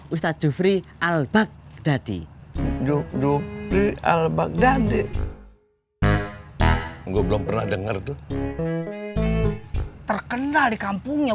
ustadz jufri al baghdadi jufri al baghdadi gua belum pernah denger tuh terkenal di kampungnya